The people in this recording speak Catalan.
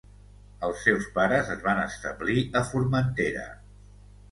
Els seus pares es van establir a Formentera.